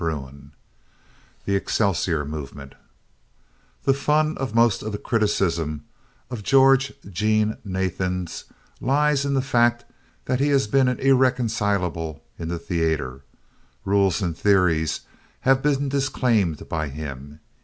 XV THE EXCELSIOR MOVEMENT The fun of most of the criticism of George Jean Nathan's lies in the fact that he has been an irreconcilable in the theater. Rules and theories have been disclaimed by him.